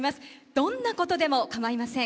どんなことでも構いません。